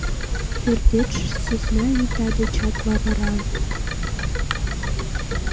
— Пӧртетше сӧсна вӱта дечат лавыран...